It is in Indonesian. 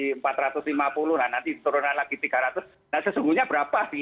nah nanti turunan lagi tiga ratus nah sesungguhnya berapa